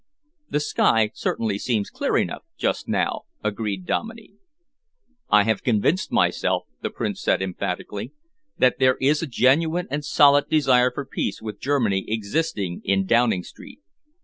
"The sky certainly seems clear enough just now," agreed Dominey. "I have convinced myself," the Prince said emphatically, "that there is a genuine and solid desire for peace with Germany existing in Downing Street.